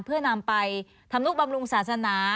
เพื่อนำไปทำลูกบำรุงศาสนา